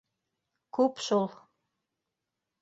— Күп шул.